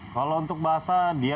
kalau untuk bahasa dia